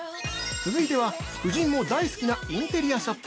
◆続いては、夫人も大好きなインテリアショップ！